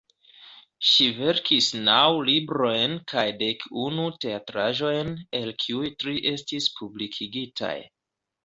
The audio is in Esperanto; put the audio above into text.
Ŝi verkis naŭ librojn kaj dek unu teatraĵojn, el kiuj tri estis publikigitaj.